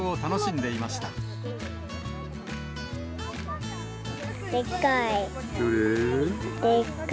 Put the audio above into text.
でっかい。